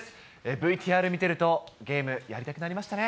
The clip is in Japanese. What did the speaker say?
ＶＴＲ見てると、ゲーム、やりたくなりましたね。